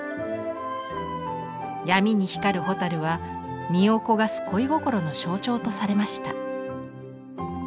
闇に光る蛍は身を焦がす恋心の象徴とされました。